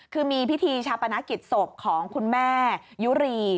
คือมีพิธีชาปนกิจศพของคุณแม่ยุรี